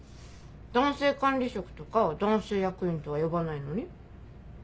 男性管理職とか男性役員とは呼ばないのに？